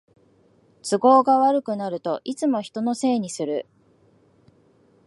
都合が悪くなるといつも人のせいにする